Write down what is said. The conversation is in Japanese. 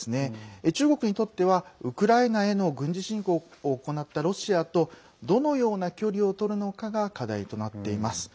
中国にとってはウクライナへの軍事侵攻を行ったロシアとどのような距離を取るのかが課題となっています。